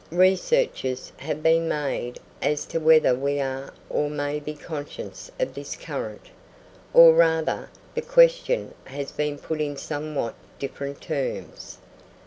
Researches have been made as to whether we are or may be conscious of this current; or rather, the question has been put in somewhat different terms.